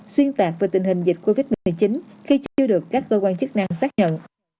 xuyên tạc về tình hình dịch covid một mươi chín khi chưa được các cơ quan chức năng xác nhận